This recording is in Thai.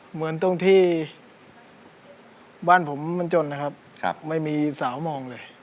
เหมือนตรงที่บ้านผมมันจนนะครับไม่มีสาวมองเลย